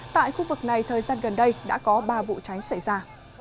tại khu vực này thời gian gần đây đã có ba vụ cháy xảy ra